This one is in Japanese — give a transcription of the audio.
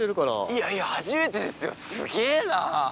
いやいや初めてですよすげぇな。